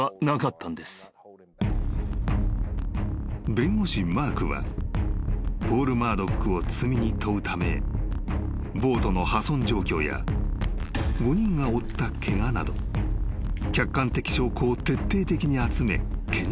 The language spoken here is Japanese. ［弁護士マークはポール・マードックを罪に問うためボートの破損状況や５人が負ったケガなど徹底的に］